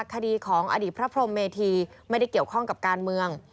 คดีของอดีตพระพรมเมธีไม่ได้เกี่ยวข้องกับการเมือง